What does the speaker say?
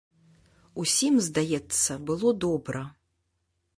Усім, здаецца, было добра.